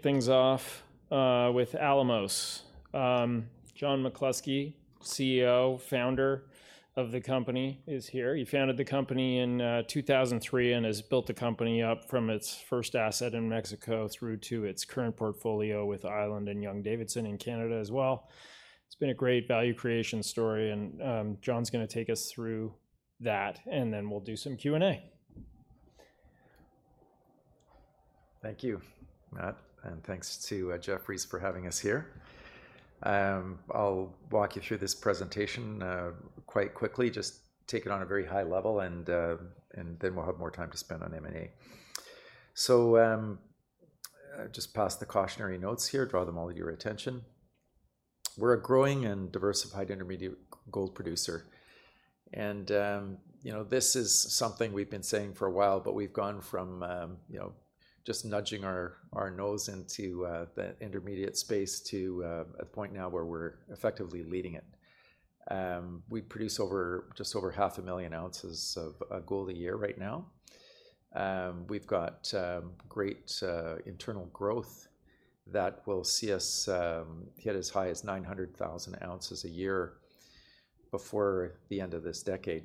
Things off with Alamos. John McCluskey, CEO, founder of the company, is here. He founded the company in 2003 and has built the company up from its first asset in Mexico through to its current portfolio with Island and Young-Davidson in Canada as well. It's been a great value creation story, and John's gonna take us through that, and then we'll do some Q&A. Thank you, Matt, and thanks to Jefferies for having us here. I'll walk you through this presentation quite quickly. Just take it on a very high level, and then we'll have more time to spend on M&A. Just past the cautionary notes here, draw them all to your attention. We're a growing and diversified intermediate gold producer, and you know, this is something we've been saying for a while, but we've gone from you know, just nudging our nose into the intermediate space to a point now where we're effectively leading it. We produce just over 500,000 ounces of gold a year right now. We've got great internal growth that will see us get as high as 900,000 ounces a year before the end of this decade.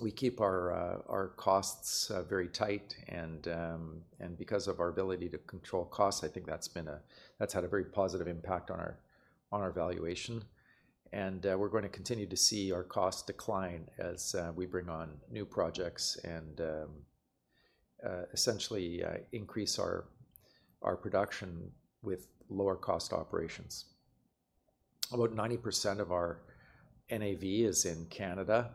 We keep our costs very tight, and because of our ability to control costs, I think that's been a-- that's had a very positive impact on our valuation. And we're going to continue to see our costs decline as we bring on new projects and essentially increase our production with lower cost operations. About 90% of our NAV is in Canada.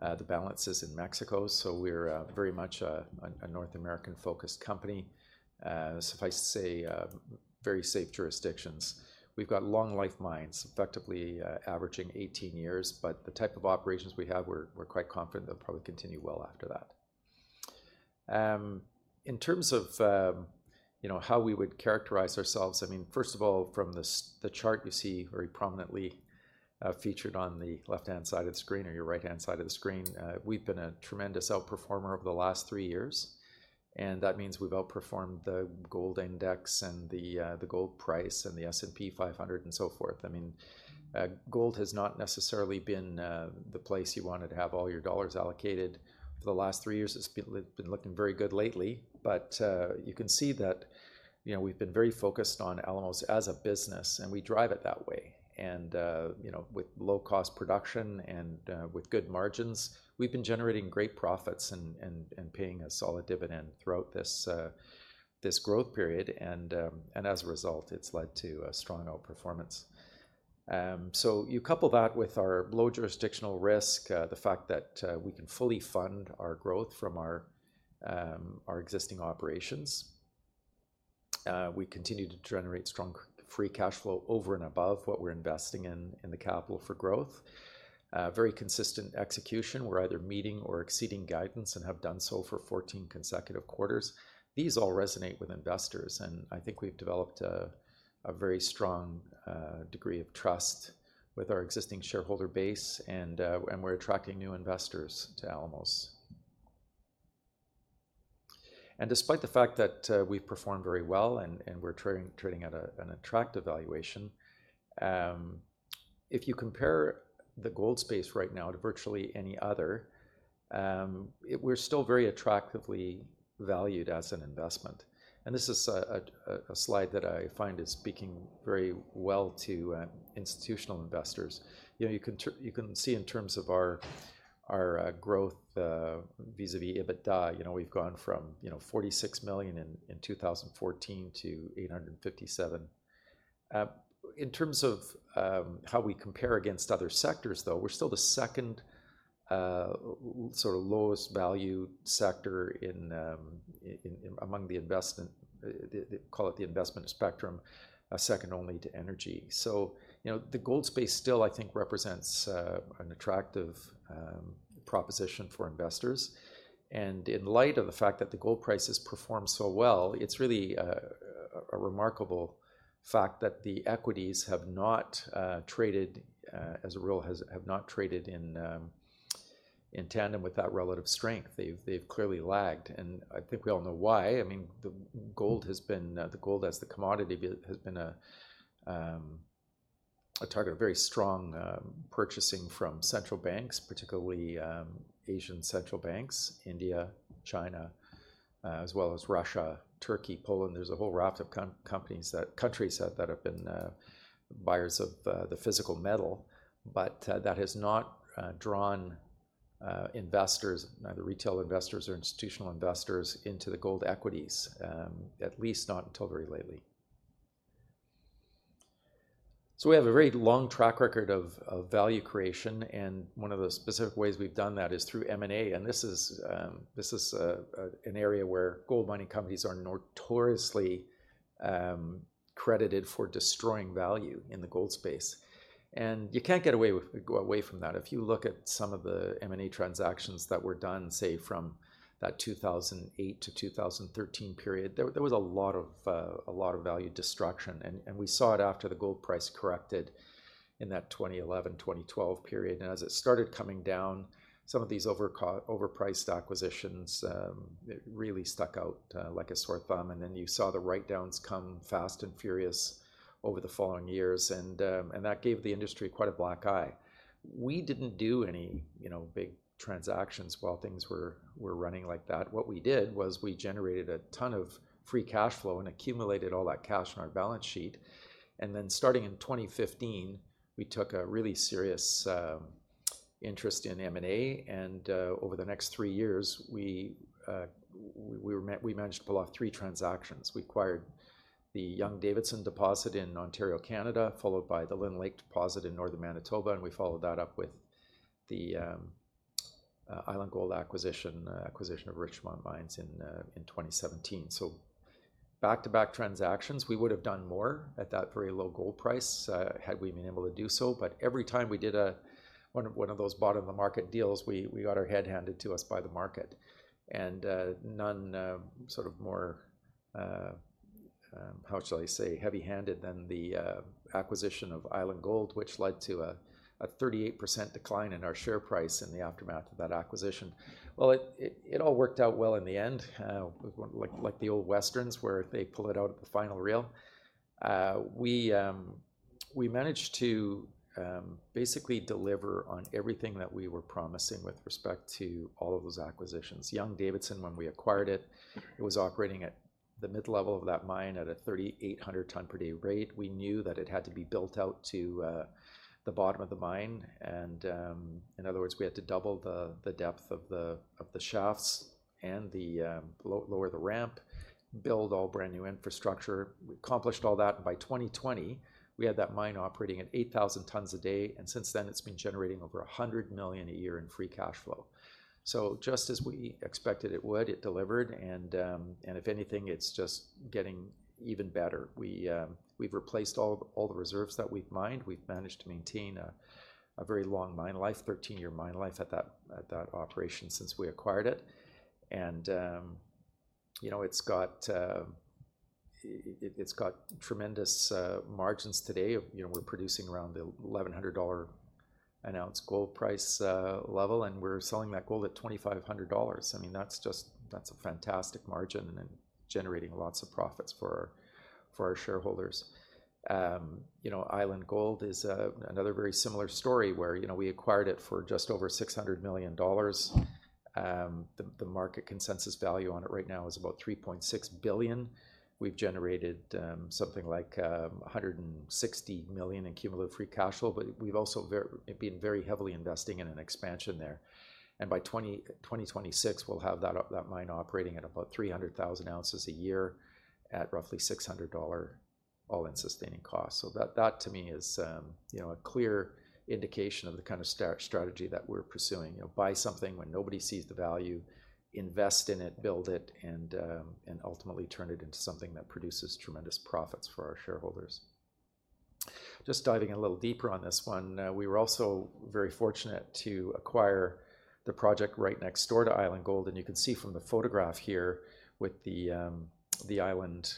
The balance is in Mexico, so we're very much a North American-focused company. Suffice to say, very safe jurisdictions. We've got long life mines, effectively, averaging 18 years, but the type of operations we have, we're quite confident they'll probably continue well after that. In terms of, you know, how we would characterize ourselves, I mean, first of all, from the chart, you see very prominently featured on the left-hand side of the screen or your right-hand side of the screen, we've been a tremendous outperformer over the last 3 years, and that means we've outperformed the gold index and the gold price and the S&P 500 and so forth. I mean, gold has not necessarily been the place you wanted to have all your dollars allocated for the last 3 years. It's been looking very good lately, but you can see that, you know, we've been very focused on Alamos as a business, and we drive it that way. And you know, with low-cost production and with good margins, we've been generating great profits and paying a solid dividend throughout this this growth period, and as a result, it's led to a strong outperformance. So you couple that with our low jurisdictional risk, the fact that we can fully fund our growth from our our existing operations. We continue to generate strong free cash flow over and above what we're investing in the capital for growth. Very consistent execution. We're either meeting or exceeding guidance and have done so for 14 consecutive quarters. These all resonate with investors, and I think we've developed a very strong degree of trust with our existing shareholder base, and we're attracting new investors to Alamos. Despite the fact that we've performed very well and we're trading at an attractive valuation, if you compare the gold space right now to virtually any other, we're still very attractively valued as an investment, and this is a slide that I find is speaking very well to institutional investors. You know, you can see in terms of our growth vis-à-vis EBITDA, you know, we've gone from $46 million in 2014 to $857 million. In terms of how we compare against other sectors, though, we're still the second sort of lowest value sector in, among the investment, call it the investment spectrum, second only to energy. So, you know, the gold space still, I think, represents an attractive proposition for investors. And in light of the fact that the gold price has performed so well, it's really a remarkable fact that the equities have not traded, as a rule, have not traded in tandem with that relative strength. They've clearly lagged, and I think we all know why. I mean, the gold has been, the gold as the commodity has been a target of very strong purchasing from central banks, particularly Asian central banks, India, China, as well as Russia, Turkey, Poland. There's a whole raft of countries that have been buyers of the physical metal, but that has not drawn investors, neither retail investors or institutional investors, into the gold equities, at least not until very lately. So we have a very long track record of value creation, and one of the specific ways we've done that is through M&A, and this is an area where gold mining companies are notoriously credited for destroying value in the gold space. And you can't get away from that. If you look at some of the M&A transactions that were done, say, from that 2008-2013 period, there was a lot of value destruction, and we saw it after the gold price corrected in that 2011-2012 period. As it started coming down, some of these overpriced acquisitions really stuck out like a sore thumb, and then you saw the write-downs come fast and furious over the following years, and that gave the industry quite a black eye. We didn't do any, you know, big transactions while things were running like that. What we did was we generated a ton of free cash flow and accumulated all that cash on our balance sheet, and then starting in 2015, we took a really serious interest in M&A, and over the next three years, we managed to pull off three transactions. We acquired the Young-Davidson deposit in Ontario, Canada, followed by the Lynn Lake deposit in northern Manitoba, and we followed that up with the Island Gold acquisition, acquisition of Richmont Mines in 2017. So back-to-back transactions, we would have done more at that very low gold price, had we been able to do so, but every time we did one of those bottom-of-the-market deals, we got our head handed to us by the market. None more heavy-handed than the acquisition of Island Gold, which led to a 38% decline in our share price in the aftermath of that acquisition. It all worked out well in the end, like the old Westerns, where they pull it out at the final reel. We managed to basically deliver on everything that we were promising with respect to all of those acquisitions. Young-Davidson, when we acquired it, it was operating at the mid-level of that mine at a 3,800 ton per day rate. We knew that it had to be built out to the bottom of the mine, and in other words, we had to double the depth of the shafts and the lower the ramp, build all brand-new infrastructure. We accomplished all that, and by 2020, we had that mine operating at 8,000 tons a day, and since then, it's been generating over $100 million a year in free cash flow. So just as we expected it would, it delivered, and if anything, it's just getting even better. We, we've replaced all the reserves that we've mined. We've managed to maintain a very long mine life, 13-year mine life at that operation since we acquired it. And you know, it's got tremendous margins today. You know, we're producing around the $1,100 an ounce gold price level, and we're selling that gold at $2,500. I mean, that's just... That's a fantastic margin and generating lots of profits for our, for our shareholders. You know, Island Gold is another very similar story, where, you know, we acquired it for just over $600 million. The market consensus value on it right now is about $3.6 billion. We've generated something like $160 million in cumulative free cash flow, but we've also been very heavily investing in an expansion there. And by 2026, we'll have that mine operating at about 300,000 ounces a year at roughly $600 all-in sustaining costs. So that to me is, you know, a clear indication of the kind of strategy that we're pursuing. You know, buy something when nobody sees the value, invest in it, build it, and ultimately turn it into something that produces tremendous profits for our shareholders. Just diving a little deeper on this one, we were also very fortunate to acquire the project right next door to Island Gold, and you can see from the photograph here with the Island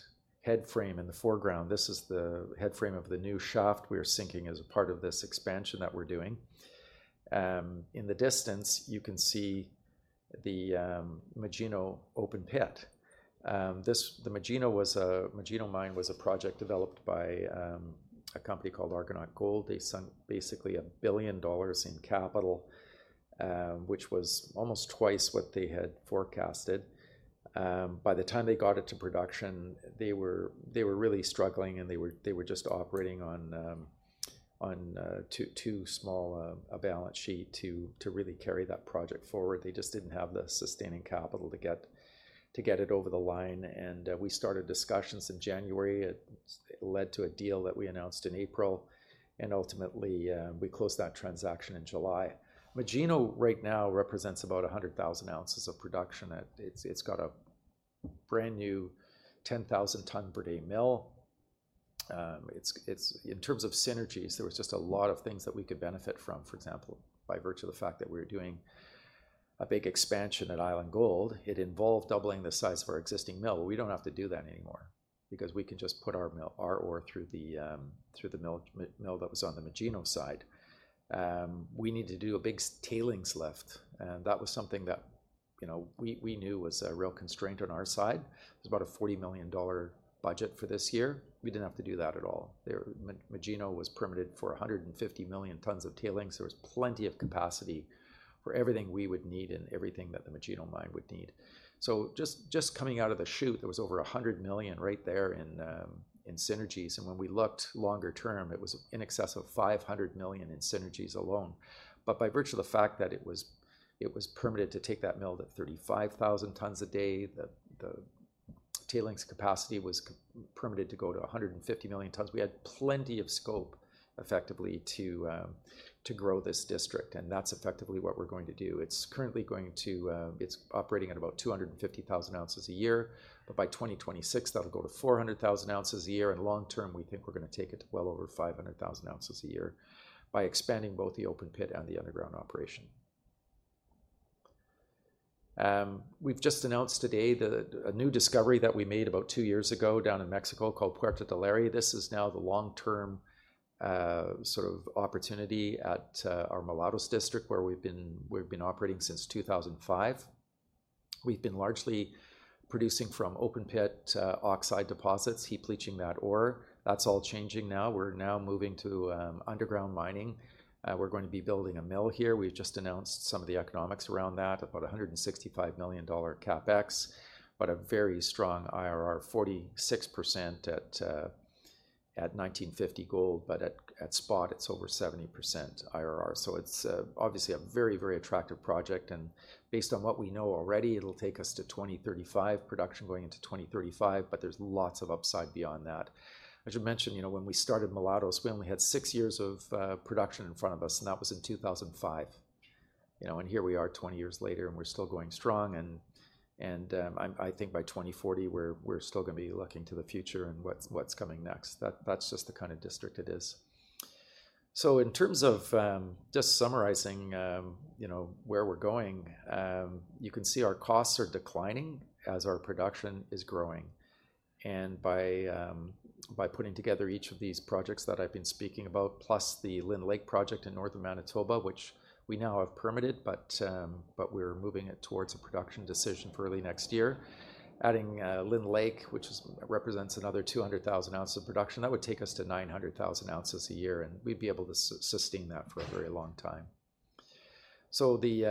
headframe in the foreground. This is the headframe of the new shaft we are sinking as a part of this expansion that we're doing. In the distance, you can see the Magino open pit. This, the Magino mine was a project developed by a company called Argonaut Gold. They sunk basically $1 billion in capital, which was almost twice what they had forecasted. By the time they got it to production, they were really struggling, and they were just operating on too small a balance sheet to really carry that project forward. They just didn't have the sustaining capital to get it over the line, and we started discussions in January. It led to a deal that we announced in April, and ultimately we closed that transaction in July. Magino right now represents about 100,000 ounces of production. It's got a brand-new 10,000 ton per day mill. It's in terms of synergies, there was just a lot of things that we could benefit from. For example, by virtue of the fact that we're doing a big expansion at Island Gold, it involved doubling the size of our existing mill. We don't have to do that anymore because we can just put our ore through the mill that was on the Magino side. We need to do a big tailings lift, and that was something that, you know, we knew was a real constraint on our side. It was about a $40 million budget for this year. We didn't have to do that at all. The Magino was permitted for 150 million tons of tailings. There was plenty of capacity for everything we would need and everything that the Magino mine would need. Just coming out of the chute, there was over $100 million right there in synergies, and when we looked longer term, it was in excess of $500 million in synergies alone, but by virtue of the fact that it was permitted to take that mill to 35,000 tons a day, the tailings capacity was permitted to go to 150 million tons, we had plenty of scope effectively to grow this district, and that's effectively what we're going to do. It's currently going to... It's operating at about 250,000 ounces a year, but by 2026, that'll go to 400,000 ounces a year, and long term, we think we're gonna take it to well over 500,000 ounces a year by expanding both the open pit and the underground operation. We've just announced today a new discovery that we made about two years ago down in Mexico called Puerto Del Aire. This is now the long-term sort of opportunity at our Mulatos District, where we've been operating since 2005. We've been largely producing from open pit oxide deposits, heap leaching that ore. That's all changing now. We're now moving to underground mining. We're going to be building a mill here. We've just announced some of the economics around that, about $165 million CapEx, but a very strong IRR, 46% at $1,950 gold, but at spot, it's over 70% IRR. So it's obviously a very, very attractive project, and based on what we know already, it'll take us to 2035, production going into 2035, but there's lots of upside beyond that. I should mention, you know, when we started Mulatos, we only had six years of production in front of us, and that was in 2005. You know, and here we are, 20 years later, and we're still going strong, and I think by 2040, we're still gonna be looking to the future and what's coming next. That's just the kind of district it is. So in terms of just summarizing, you know, where we're going, you can see our costs are declining as our production is growing. And by putting together each of these projects that I've been speaking about, plus the Lynn Lake project in northern Manitoba, which we now have permitted, but we're moving it towards a production decision for early next year. Adding Lynn Lake, which represents another 200,000 ounces of production, that would take us to 900,000 ounces a year, and we'd be able to sustain that for a very long time. So the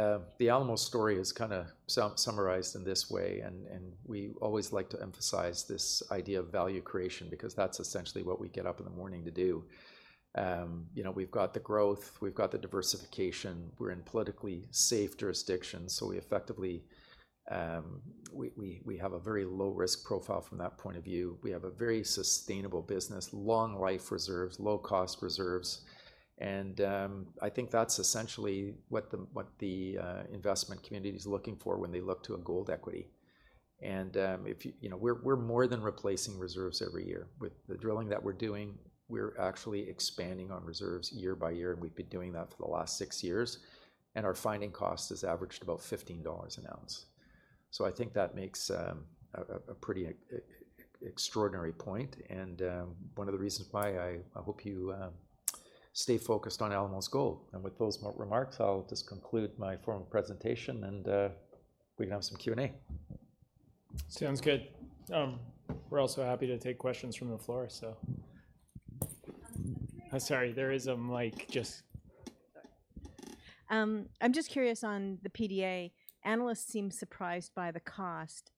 Alamos story is kinda summarized in this way, and we always like to emphasize this idea of value creation because that's essentially what we get up in the morning to do. You know, we've got the growth, we've got the diversification. We're in politically safe jurisdictions, so we effectively we have a very low risk profile from that point of view. We have a very sustainable business, long life reserves, low cost reserves, and I think that's essentially what the investment community is looking for when they look to a gold equity. And if you, you know, we're more than replacing reserves every year. With the drilling that we're doing, we're actually expanding on reserves year by year, and we've been doing that for the last six years, and our finding cost has averaged about $15 an ounce. So I think that makes a pretty extraordinary point, and one of the reasons why I hope you stay focused on Alamos Gold. And with those remarks, I'll just conclude my formal presentation, and, we can have some Q&A. Sounds good. We're also happy to take questions from the floor, so I'm curious-Sorry, there is a mic just. I'm just curious on the PDA. Analysts seem surprised by the cost.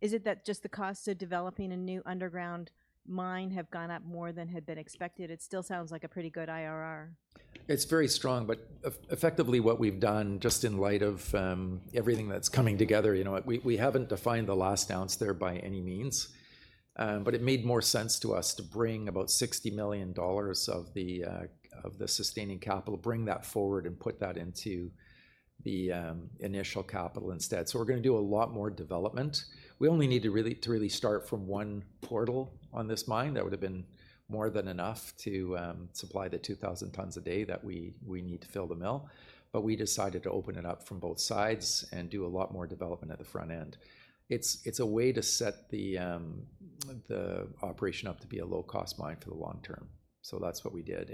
Is it that just the cost of developing a new underground mine have gone up more than had been expected? It still sounds like a pretty good IRR. It's very strong, but effectively, what we've done, just in light of everything that's coming together, you know, we haven't defined the last ounce there by any means, but it made more sense to us to bring about $60 million of the sustaining capital, bring that forward and put that into the initial capital instead. So we're gonna do a lot more development. We only need to really start from one portal on this mine. That would have been more than enough to supply the 2,000 tons a day that we need to fill the mill, but we decided to open it up from both sides and do a lot more development at the front end. It's a way to set the operation up to be a low-cost mine for the long term. So that's what we did.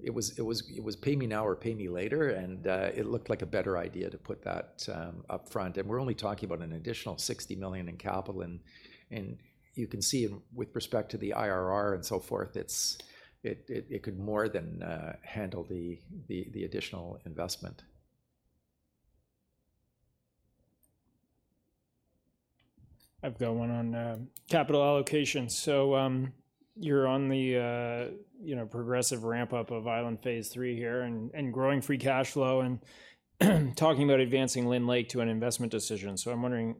It was pay me now or pay me later, and it looked like a better idea to put that up front. And we're only talking about an additional $60 million in capital, and you can see with respect to the IRR and so forth, it could more than handle the additional investment. I've got one on capital allocation. So, you're on the, you know, progressive ramp up of Island Phase Three here and growing free cash flow and talking about advancing Lynn Lake to an investment decision. So I'm wondering,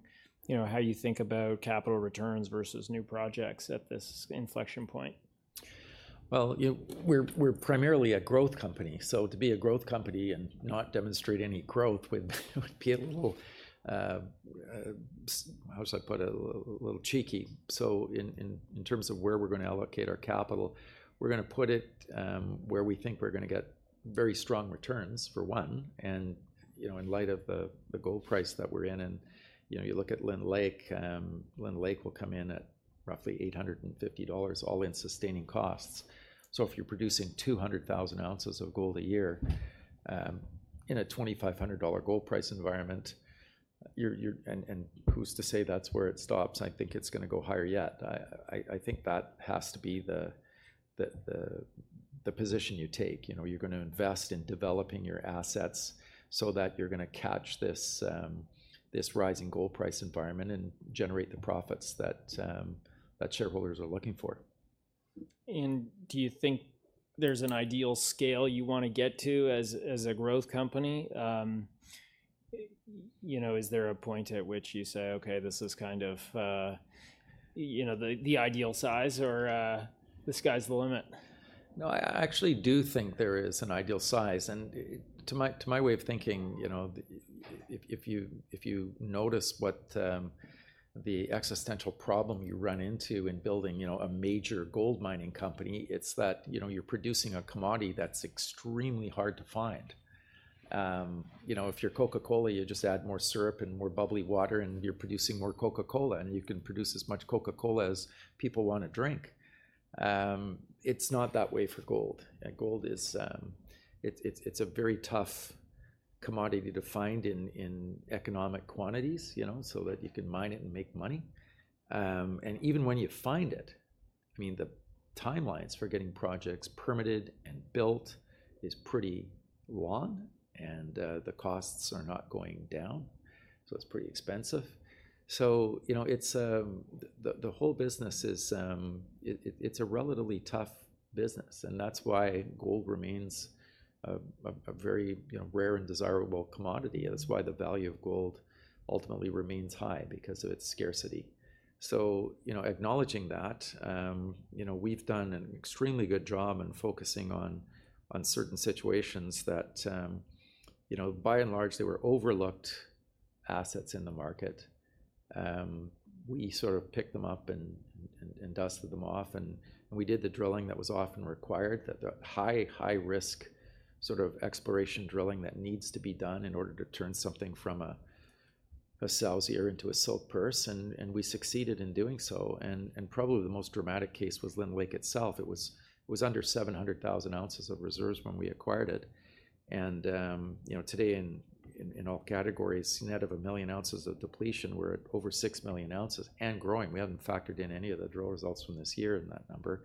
you know, how you think about capital returns versus new projects at this inflection point? You know, we're primarily a growth company, so to be a growth company and not demonstrate any growth would be a little, how should I put it? A little cheeky. So in terms of where we're gonna allocate our capital, we're gonna put it where we think we're gonna get very strong returns, for one, and, you know, in light of the gold price that we're in. You know, you look at Lynn Lake. Lynn Lake will come in at roughly $850 all-in sustaining costs. So if you're producing 200,000 ounces of gold a year in a $2,500 gold price environment, you're... Who's to say that's where it stops? I think it's gonna go higher yet. I think that has to be the position you take. You know, you're gonna invest in developing your assets so that you're gonna catch this rising gold price environment and generate the profits that shareholders are looking for. Do you think there's an ideal scale you wanna get to as a growth company? You know, is there a point at which you say, "Okay, this is kind of, you know, the ideal size," or the sky's the limit? No, I actually do think there is an ideal size, and to my way of thinking, you know, if you notice what the existential problem you run into in building, you know, a major gold mining company, it's that, you know, you're producing a commodity that's extremely hard to find. You know, if you're Coca-Cola, you just add more syrup and more bubbly water, and you're producing more Coca-Cola, and you can produce as much Coca-Cola as people wanna drink. It's not that way for gold. Gold is, it's a very tough commodity to find in economic quantities, you know, so that you can mine it and make money. And even when you find it, I mean, the timelines for getting projects permitted and built is pretty long, and the costs are not going down, so it's pretty expensive. So, you know, the whole business is a relatively tough business, and that's why gold remains a very, you know, rare and desirable commodity, and that's why the value of gold ultimately remains high, because of its scarcity. So, you know, acknowledging that, you know, we've done an extremely good job in focusing on certain situations that, you know, by and large, they were overlooked assets in the market. We sort of picked them up and dusted them off, and we did the drilling that was often required, that the high-risk sort of exploration drilling that needs to be done in order to turn something from a sow's ear into a silk purse, and we succeeded in doing so, and probably the most dramatic case was Lynn Lake itself. It was under 700,000 ounces of reserves when we acquired it, and you know, today in all categories, net of a million ounces of depletion, we're at over six million ounces and growing. We haven't factored in any of the drill results from this year in that number,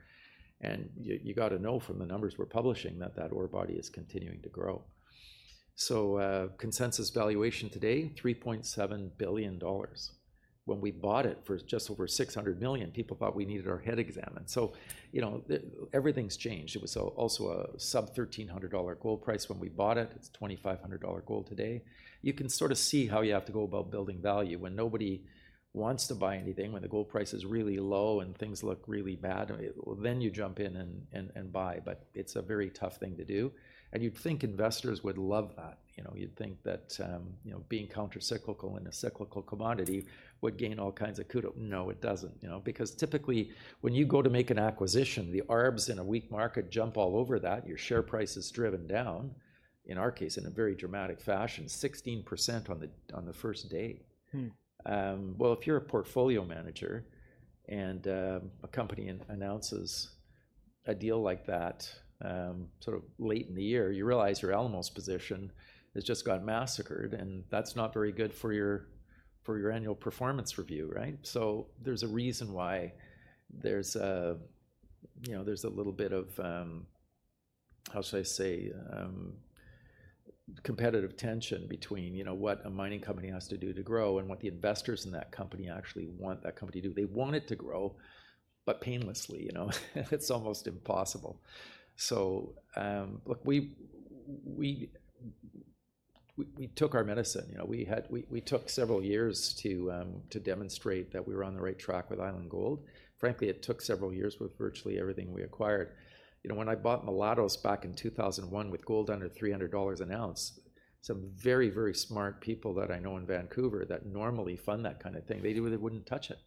and you gotta know from the numbers we're publishing, that that ore body is continuing to grow. So, consensus valuation today: $3.7 billion. When we bought it for just over $600 million, people thought we needed our head examined. So, you know, everything's changed. It was also a sub-$1,300 gold price when we bought it. It's $2,500 gold today. You can sort of see how you have to go about building value when nobody wants to buy anything, when the gold price is really low and things look really bad, and well, then you jump in and buy, but it's a very tough thing to do. And you'd think investors would love that, you know? You'd think that, you know, being countercyclical in a cyclical commodity would gain all kinds of kudos. No, it doesn't, you know? Because typically, when you go to make an acquisition, the arbs in a weak market jump all over that, and your share price is driven down, in our case, in a very dramatic fashion, 16% on the first day. Well, if you're a portfolio manager, and a company announces a deal like that, sort of late in the year, you realize your Alamos position has just got massacred, and that's not very good for your annual performance review, right? So there's a reason why, you know, there's a little bit of competitive tension between, you know, what a mining company has to do to grow and what the investors in that company actually want that company to do. They want it to grow, but painlessly, you know? It's almost impossible. So look, we took our medicine, you know. We took several years to demonstrate that we were on the right track with Island Gold. Frankly, it took several years with virtually everything we acquired. You know, when I bought Mulatos back in 2001 with gold under $300 an ounce, some very, very smart people that I know in Vancouver that normally fund that kind of thing, they really wouldn't touch it.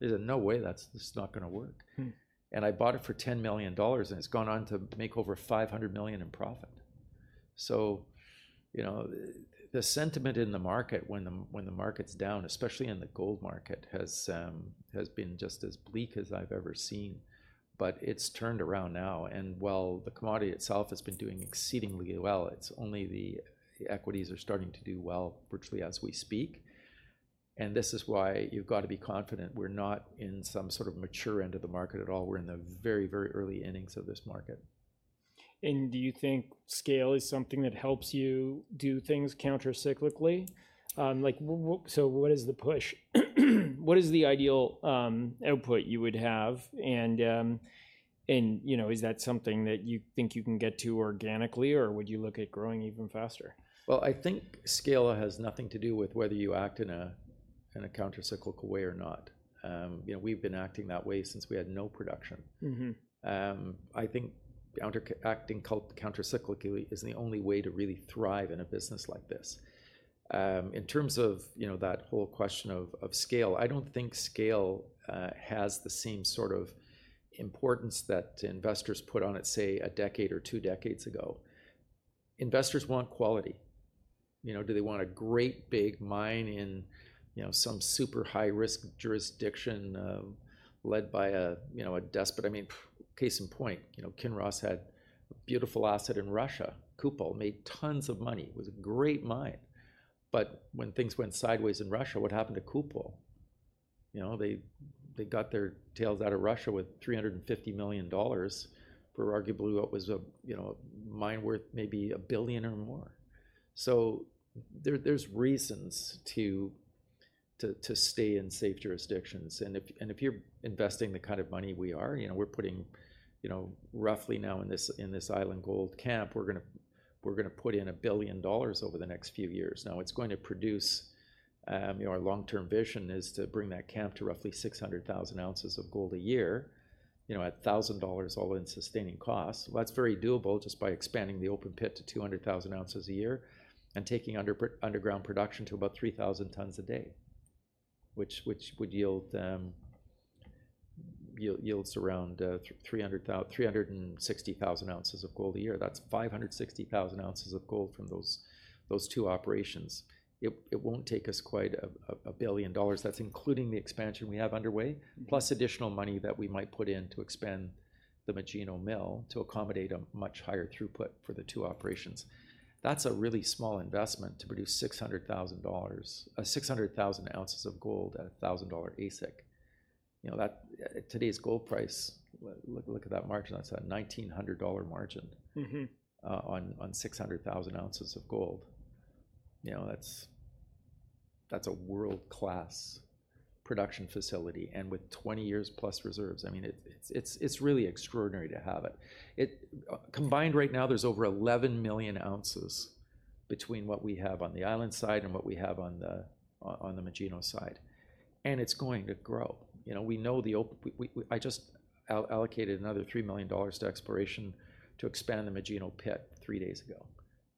They said, "No way, that's, this is not gonna work. And I bought it for $10 million, and it's gone on to make over $500 million in profit. So, you know, the sentiment in the market when the market's down, especially in the gold market, has been just as bleak as I've ever seen, but it's turned around now. And while the commodity itself has been doing exceedingly well, it's only the equities are starting to do well virtually as we speak, and this is why you've got to be confident. We're not in some sort of mature end of the market at all. We're in the very, very early innings of this market. And do you think scale is something that helps you do things countercyclically? Like, so what is the push? What is the ideal output you would have, and, and, you know, is that something that you think you can get to organically, or would you look at growing even faster? I think scale has nothing to do with whether you act in a countercyclical way or not. You know, we've been acting that way since we had no production. And i think countercyclically is the only way to really thrive in a business like this. In terms of, you know, that whole question of, of scale, I don't think scale has the same sort of importance that investors put on it, say, a decade or two decades ago. Investors want quality. You know, do they want a great big mine in, you know, some super high-risk jurisdiction, led by a, you know, a despot? I mean, case in point, you know, Kinross had a beautiful asset in Russia. Kupol made tons of money, it was a great mine, but when things went sideways in Russia, what happened to Kupol? You know, they got their tails out of Russia with $350 million, for arguably what was a, you know, mine worth maybe $1 billion or more. There are reasons to stay in safe jurisdictions, and if you're investing the kind of money we are, you know, we're putting you know roughly now in this Island Gold camp, we're gonna put in $1 billion over the next few years. Now, it's going to produce, you know, our long-term vision is to bring that camp to roughly 600,000 ounces of gold a year, you know, at $1,000 all-in sustaining costs. That's very doable just by expanding the open pit to 200,000 ounces a year and taking underground production to about 3,000 tons a day, which would yield around 360,000 ounces of gold a year. That's 560,000 ounces of gold from those two operations. It won't take us quite $1 billion. That's including the expansion we have underway, plus additional money that we might put in to expand the Magino Mill to accommodate a much higher throughput for the two operations. That's a really small investment to produce 600,000 ounces of gold at a $1,000 AISC. You know, today's gold price, look at that margin, that's a $1,900 margin on 600,000 ounces of gold. You know, that's a world-class production facility, and with 20 years plus reserves, I mean, it's really extraordinary to have it. Combined right now, there's over 11 million ounces between what we have on the Island side and what we have on the Magino side, and it's going to grow. You know, we just allocated another $3 million to exploration to expand the Magino pit three days ago.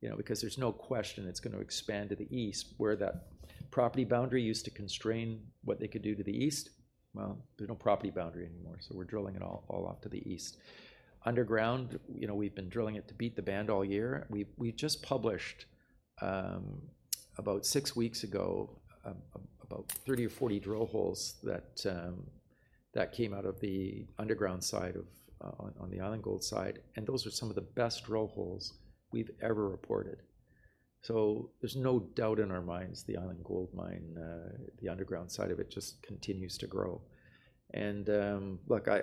You know, because there's no question it's gonna expand to the east. Where that property boundary used to constrain what they could do to the east, well, there's no property boundary anymore, so we're drilling it all off to the east. Underground, you know, we've been drilling it to beat the band all year. We just published about six weeks ago about 30 or 40 drill holes that came out of the underground side of on the Island Gold side, and those are some of the best drill holes we've ever reported. So there's no doubt in our minds, the Island Gold mine, the underground side of it, just continues to grow. And look, I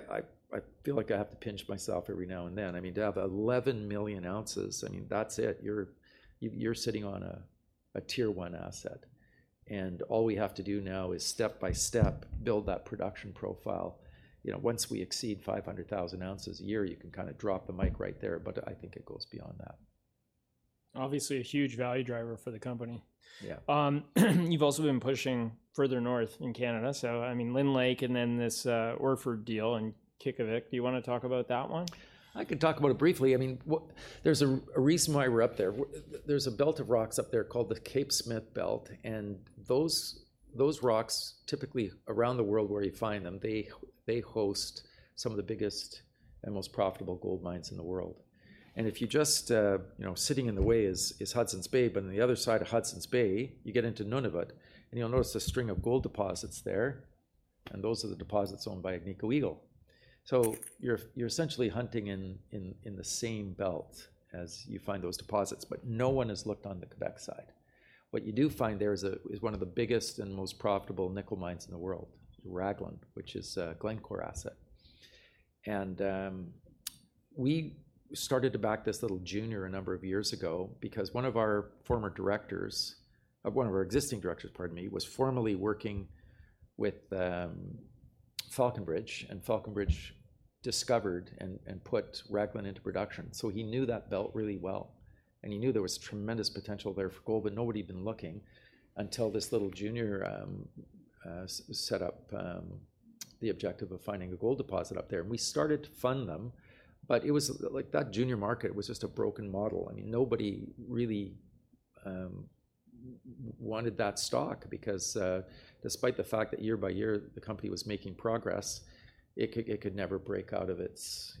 feel like I have to pinch myself every now and then. I mean, to have 11 million ounces, I mean, that's it. You're sitting on a Tier 1 asset, and all we have to do now is step by step, build that production profile. You know, once we exceed 500,000 ounces a year, you can kinda drop the mic right there, but I think it goes beyond that. Obviously, a huge value driver for the company. Yeah. You've also been pushing further north in Canada, so I mean, Lynn Lake and then this, Orford deal in Qiqavik. Do you wanna talk about that one? I could talk about it briefly. I mean. There's a reason why we're up there. There's a belt of rocks up there called the Cape Smith Belt, and those rocks, typically around the world where you find them, they host some of the biggest and most profitable gold mines in the world. And if you just, you know, sitting in the way is Hudson Bay, but on the other side of Hudson Bay, you get into Nunavut, and you'll notice a string of gold deposits there, and those are the deposits owned by Agnico Eagle. So you're essentially hunting in the same belt as you find those deposits, but no one has looked on the Quebec side. What you do find there is one of the biggest and most profitable nickel mines in the world, Raglan, which is a Glencore asset. And we started to back this little junior a number of years ago because one of our former directors, one of our existing directors, pardon me, was formerly working with Falconbridge, and Falconbridge discovered and put Raglan into production, so he knew that belt really well, and he knew there was tremendous potential there for gold, but nobody had been looking until this little junior set up the objective of finding a gold deposit up there. We started to fund them, but it was like that junior market was just a broken model. I mean, nobody really wanted that stock because, despite the fact that year by year, the company was making progress, it could never break out of its,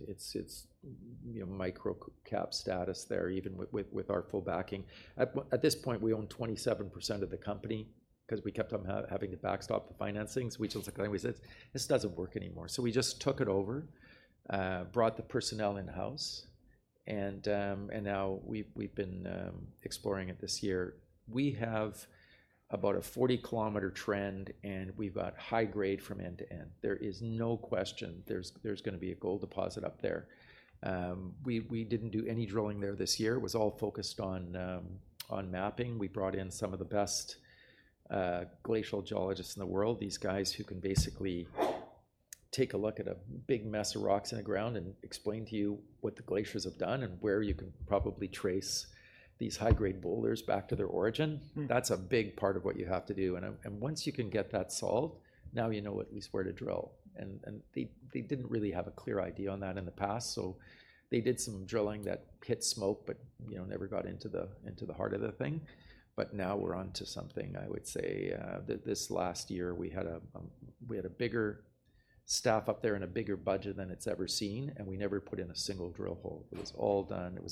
you know, micro-cap status there, even with our full backing. At this point, we own 27% of the company 'cause we kept on having to backstop the financings, which was like, we said, "This doesn't work anymore." So we just took it over, brought the personnel in-house, and now we've been exploring it this year. We have about a 40-kilometer trend, and we've got high grade from end to end. There is no question there's gonna be a gold deposit up there. We didn't do any drilling there this year. It was all focused on mapping. We brought in some of the best glacial geologists in the world. These guys who can basically take a look at a big mess of rocks in the ground and explain to you what the glaciers have done, and where you can probably trace these high-grade boulders back to their origin. That's a big part of what you have to do, and once you can get that solved, now you know at least where to drill, and they didn't really have a clear idea on that in the past. So they did some drilling that hit smoke but, you know, never got into the heart of the thing, but now we're onto something. I would say that this last year, we had a bigger staff up there and a bigger budget than it's ever seen, and we never put in a single drill hole. It was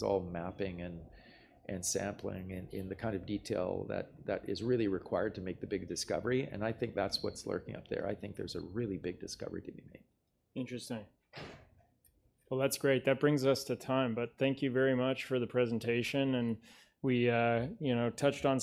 all mapping and sampling in the kind of detail that is really required to make the big discovery, and I think that's what's lurking up there. I think there's a really big discovery to be made. Interesting. Well, that's great. That brings us to time, but thank you very much for the presentation, and we, you know, touched